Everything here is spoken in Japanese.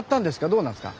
どうなんですか？